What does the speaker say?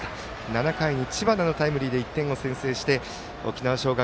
７回、知花のタイムリーで１点を先制して、沖縄尚学